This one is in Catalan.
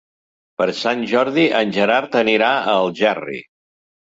Per Sant Jordi en Gerard anirà a Algerri.